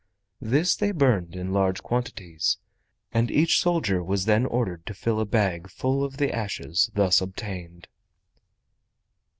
This they burned in large quantities, and each soldier was then ordered to fill a bag full of the ashes thus obtained.